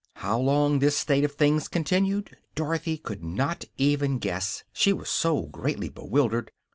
How long this state of things continued Dorothy could not even guess, she was so greatly bewildered.